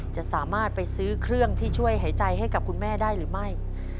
จะสามารถไปซื้อเครื่องที่ช่วยหายใจให้กับคุณแม่ได้หรือไม่